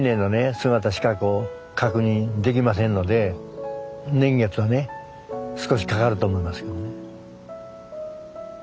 姿しか確認できませんので年月はね少しかかると思いますけどね。